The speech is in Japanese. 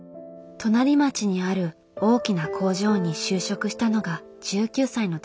隣町にある大きな工場に就職したのが１９歳の時。